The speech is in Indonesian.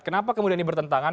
kenapa kemudian ini bertentangan